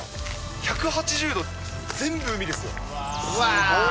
１８０度、全部海ですよ。